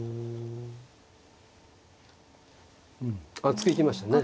厚く行きましたね。